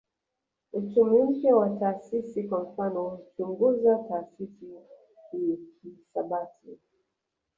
Uchumi mpya wa taasisi kwa mfano huchunguza taasisi kihisabati